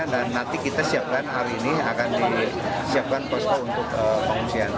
dan nanti kita siapkan hari ini akan disiapkan posko untuk pengungsian